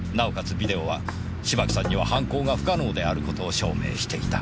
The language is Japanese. ビデオは芝木さんには犯行が不可能である事を証明していた。